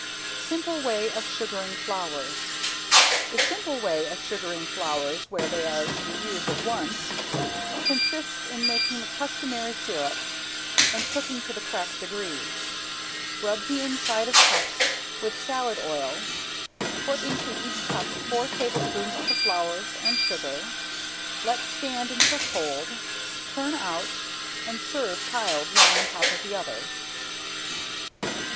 ~SIMPLE WAY OF SUGARING FLOWERS~ A simple way of sugaring flowers where they are to be used at once consists in making the customary sirup and cooking to the crack degree. Rub the inside of cups with salad oil, put into each cup four tablespoonfuls of the flowers and sugar, let stand until cold, turn out, and serve piled one on top of the other.